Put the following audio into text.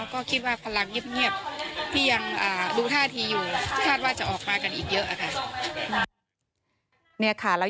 ก็คิดว่าพลังเงียบที่ยังดูท่าทีอยู่คาดว่าจะออกมากันอีกเยอะค่ะ